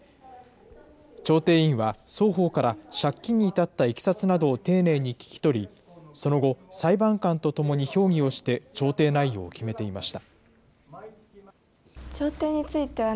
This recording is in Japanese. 調停委員は、双方から借金に至ったいきさつなどを丁寧に聴き取り、その後、裁判官と共に評議をして、調停内容を決めていました。